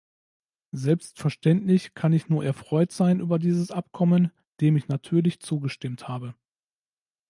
Selbstverständlich kann ich nur erfreut sein über dieses Abkommen, dem ich natürlich zugestimmt habe.